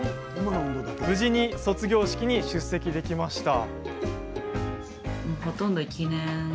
無事に卒業式に出席できました。